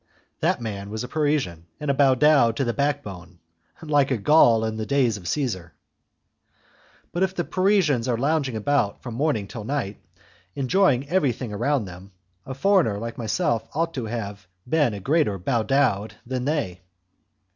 That man was a Parisian and a 'badaud' to the backbone, like a Gaul in the days of Caesar. But if the Parisians are lounging about from morning till night, enjoying everything around them, a foreigner like myself ought to have been a greater 'badaud' than they!